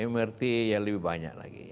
mrt yang lebih banyak lagi